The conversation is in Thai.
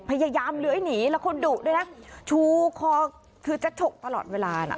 พยายามเลื้อยหนีแล้วคนดุด้วยนะชูคอคือจะฉกตลอดเวลาน่ะ